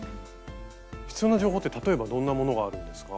必要な情報って例えばどんなものがあるんですか？